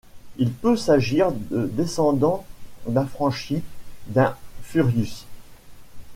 Il peut s'agir de descendants d'affranchis d'un Furius.